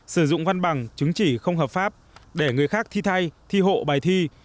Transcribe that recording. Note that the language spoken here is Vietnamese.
sử dụng văn bằng chứng chỉ không hợp pháp để người khác thi thay thi hộ bài thi